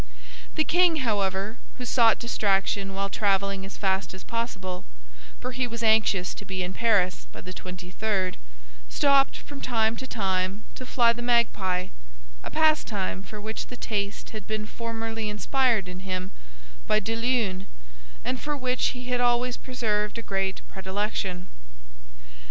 The king, however, who sought distraction, while traveling as fast as possible—for he was anxious to be in Paris by the twenty third—stopped from time to time to fly the magpie, a pastime for which the taste had been formerly inspired in him by de Luynes, and for which he had always preserved a great predilection.